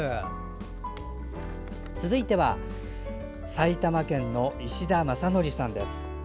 続いては埼玉県の石田正則さんです。